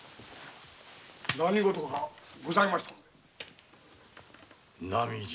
何事かございましたので？